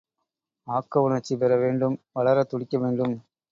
ஆக்க உணர்ச்சி பெற வேண்டும் வளரத் துடிக்க வேண்டும்.